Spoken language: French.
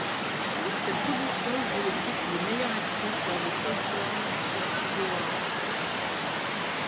Cette production lui vaut le titre de meilleure actrice lors des Southern Shorts Awards.